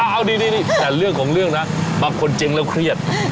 เอานี่แต่เรื่องของเรื่องนะบางคนเจ๊งแล้วเครียด